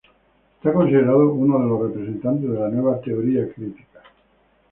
Está considerado uno de los representantes de la nueva teoría crítica.